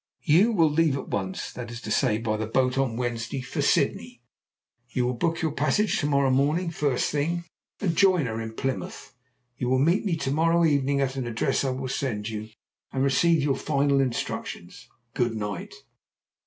"You will leave at once that is to say, by the boat on Wednesday for Sydney. You will book your passage to morrow morning, first thing, and join her in Plymouth. You will meet me to morrow evening at an address I will send you, and receive your final instructions. Good night."